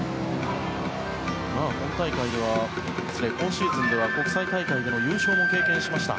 今シーズンでは国際大会での入賞も経験しました。